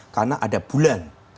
karena ada bulan